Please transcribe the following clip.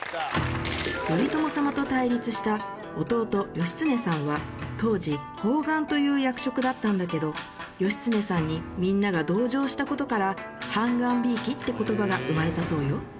頼朝様と対立した弟義経さんは当時判官という役職だったんだけど義経さんにみんなが同情した事から判官贔屓って言葉が生まれたそうよ。